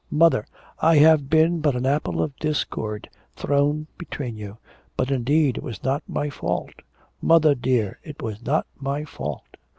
'Mother, I have been but an apple of discord thrown between you.... But, indeed, it was not my fault. Mother, dear, it was not my fault.'